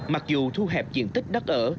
mặc dù thu hẹp diện tích đắt ở